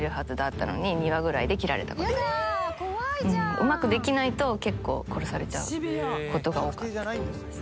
うまくできないと結構殺されちゃうことが多かったと思います。